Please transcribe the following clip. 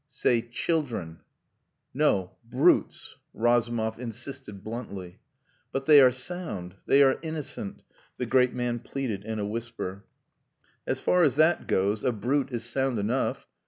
"Say children." "No! Brutes!" Razumov insisted bluntly. "But they are sound, they are innocent," the great man pleaded in a whisper. "As far as that goes, a brute is sound enough."